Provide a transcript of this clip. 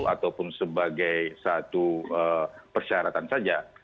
ataupun sebagai satu persyaratan saja